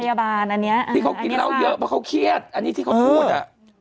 อันนี้ที่เขากินเหล้าเยอะเพราะเขาเครียดอันนี้ที่เขาพูดอ่ะ